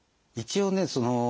一応ね